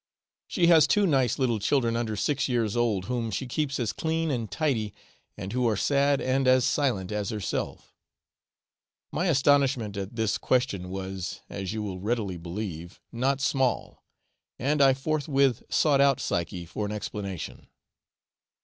She has two nice little children under six years old, whom she keeps as clean and tidy, and who are sad and as silent, as herself. My astonishment at this question was, as you will readily believe, not small, and I forthwith sought out Psyche for an explanation.